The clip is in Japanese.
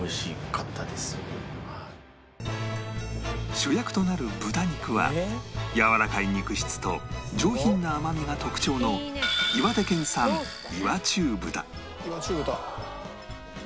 主役となる豚肉はやわらかい肉質と上品な甘みが特徴の岩中豚。